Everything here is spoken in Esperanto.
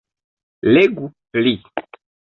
Legu pli.